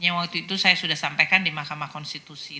yang waktu itu saya sudah sampaikan di mahkamah konstitusi